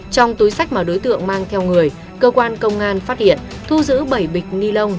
trong túi sách mà đối tượng mang theo người cơ quan công an phát hiện thu giữ bảy bịch ni lông